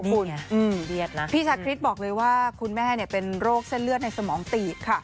พี่ชาคริตบอกเลยว่าคุณแม่เนี่ยเป็นโรคเส้นเลือดในสมองตี